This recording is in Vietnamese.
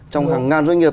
trong hàng ngàn doanh nghiệp